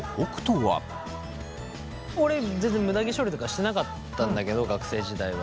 俺全然むだ毛処理とかしてなかったんだけど学生時代は。